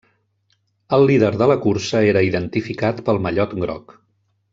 El líder de la cursa era identificat pel mallot groc.